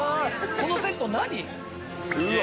このセット何？